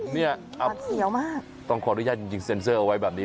เนี่ยอับเขียวมากต้องขออนุญาตจริงเซ็นเซอร์เอาไว้แบบนี้